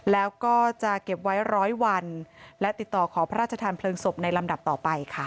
แล้วก็จะเก็บไว้ร้อยวันและติดต่อขอพระราชทานเพลิงศพในลำดับต่อไปค่ะ